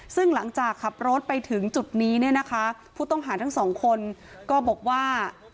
ซึ่งหลังจากขับรถไปถึงจุดนี้เนี่ยนะคะผู้ต้องหาทั้งสองคนก็บอกว่า